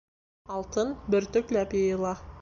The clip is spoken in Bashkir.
Алтын бөртөкләп йыйыла.